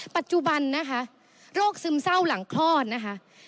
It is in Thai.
ปัจจุบันนะคะโรคซึมเศร้าหลังคลอดนะคะ